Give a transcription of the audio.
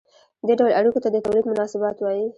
دې ډول اړیکو ته د تولید مناسبات وايي.